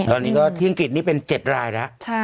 ตอนนี้ก็ที่อังกฤษเป็น๗รายละ